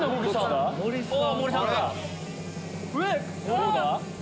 どうだ？